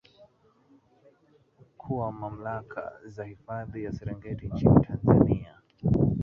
kuwa mamlaka za hifadhi ya Serengeti nchini Tanzania